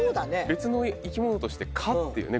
別の生き物として科っていうね